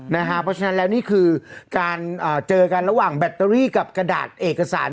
เพราะฉะนั้นแล้วนี่คือการเจอกันระหว่างแบตเตอรี่กับกระดาษเอกสาร